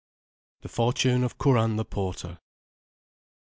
THE FORTUNE OF CURAN THE PORTER.